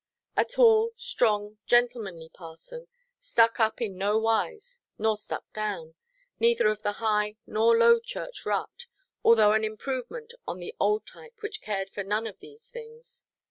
A tall, strong, gentlemanly parson, stuck up in no wise, nor stuck down; neither of the High nor Low Church rut, although an improvement on the old type which cared for none of these things.